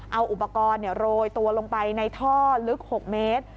เอาอุปกรณ์โรยตัวลงไปในท่อลึก๖เมตร